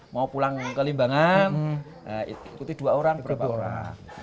mau pulang ke limbangan ikuti dua orang berapa orang